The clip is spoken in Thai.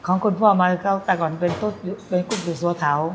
ของคุณพ่อมาก่อนเป็นกุ๊กอยู่สวทาว